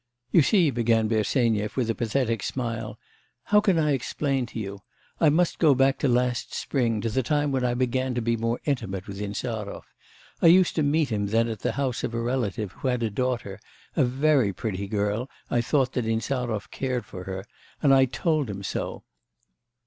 'You see,' began Bersenyev, with a pathetic smile, 'how can I explain to you? I must go back to last spring, to the time when I began to be more intimate with Insarov. I used to meet him then at the house of a relative, who had a daughter, a very pretty girl I thought that Insarov cared for her, and I told him so.